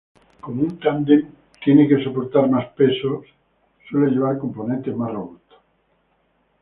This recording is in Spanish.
Como un tándem tiene que soportar más pesos, suele llevar componentes más robustos.